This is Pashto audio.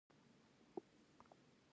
پښتو یوه بډایه ژبه ده.